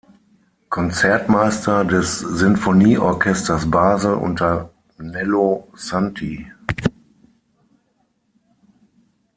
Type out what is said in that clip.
Konzertmeister des Sinfonieorchesters Basel unter Nello Santi.